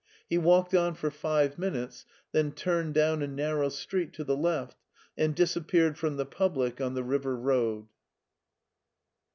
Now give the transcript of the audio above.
He walked on for five minutes, then turned down a narrow street to the left and disappeared from the public on the river road.